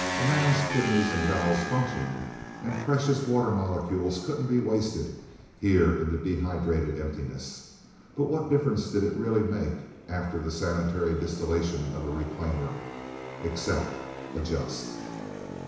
A man's kidneys and bowels functioned, and precious water molecules couldn't be wasted, here in the dehydrated emptiness. But what difference did it really make, after the sanitary distillation of a reclaimer? Accept, adjust...